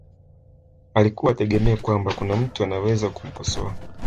alikuwa hategemei kwamba kuna mtu anayeweza kumkosoa